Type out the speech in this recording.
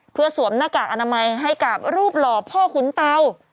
เพื่อสวมหน้ากากอนามัยให้กับรูปหล่อพ่อขุนเตา